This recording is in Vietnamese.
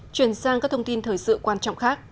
chuyển sang các thông tin thời sự quan trọng khác